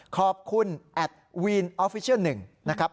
ขอบคุณแอดวีนออฟฟิเชียล๑นะครับ